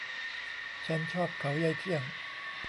ฉันชอบเขายายเที่ยง